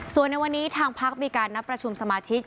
ส่วนในวันนี้ทางพักมีการนัดประชุมสมาชิก